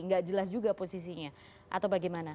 nggak jelas juga posisinya atau bagaimana